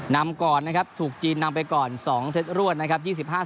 นำก่อนถูกจีนนำไปก่อน๒เซตร่วนนะครับ